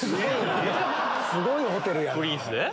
すごいホテルやな。